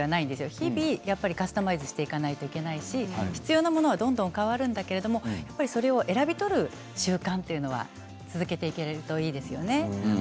日々カスタマイズしていかないといけないし必要なものはどんどん変わるんだけどそれを選び取る習慣というのは続けていけるといいですよね。